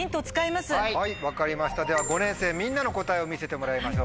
分かりましたでは５年生みんなの答えを見せてもらいましょう。